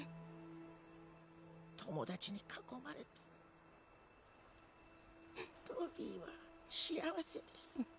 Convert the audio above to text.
友達に囲まれてドビーは幸せです